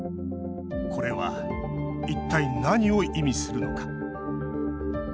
これは一体、何を意味するのか。